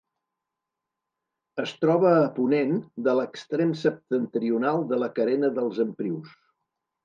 Es troba a ponent de l'extrem septentrional de la Carena dels Emprius.